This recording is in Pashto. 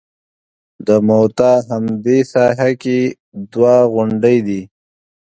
د موته همدې ساحه کې دوه غونډۍ دي.